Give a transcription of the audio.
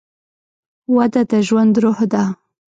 وده د ژوند روح ده.